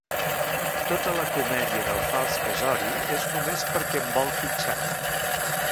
Tota la comèdia del fals casori és només perquè em vol fitxar.